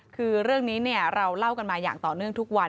คือเรื่องนี้เราเล่ากันมาอย่างต่อเนื่องทุกวัน